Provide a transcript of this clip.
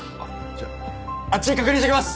じゃああっち確認してきます！